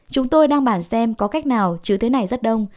chúng tôi đang bản xem có cách nào chứ thế này rất đông